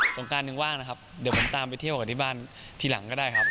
งการหนึ่งว่างนะครับเดี๋ยวผมตามไปเที่ยวกันที่บ้านทีหลังก็ได้ครับ